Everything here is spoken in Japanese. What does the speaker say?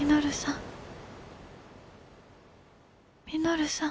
稔さん。